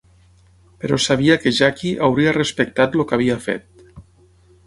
Però sabia que Jackie hauria respectat el que havia fet.